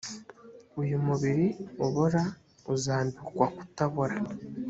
uyu mubiri ubora uzambikwa kutabora